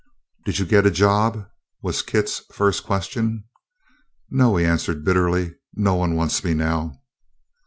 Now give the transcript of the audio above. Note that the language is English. "Did you get a job?" was Kit's first question. "No," he answered bitterly, "no one wants me now."